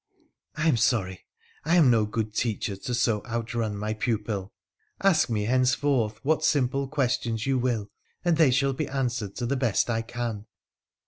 ' I am sorry, I am no good teacher to so outrun my pupil. Ask me henceforth what simple questions you will, and they shall be answered to the best I can.'